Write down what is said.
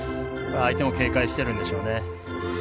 相手も警戒しているんでしょうね。